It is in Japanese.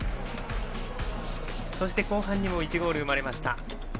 そして後半にも１ゴール生まれました。